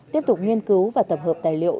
tiếp tục nghiên cứu và tập hợp tài liệu